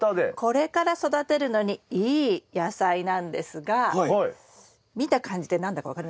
これから育てるのにいい野菜なんですが見た感じで何だか分かりますか？